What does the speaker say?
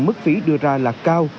mức phí đưa ra là cao